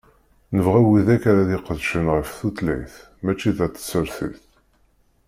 Nebɣa widak ara iqedcen ɣef tutlayt, mačči d at tsertit.